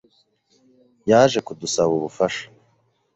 yaje kudusaba ubufasha.